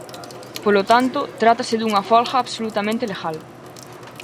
Polo tanto, trátase dunha folga absolutamente legal.